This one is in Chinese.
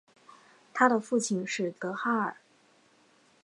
她的父亲是德哈尔。